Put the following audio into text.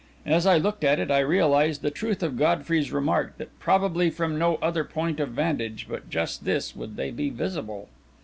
As I looked at it, I realised the truth of Godfrey's remark that probably from no other point of vantage but just this would they be visible.